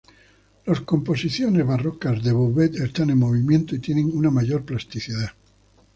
Las composiciones barrocas de Vouet están en movimiento y tienen una mayor plasticidad.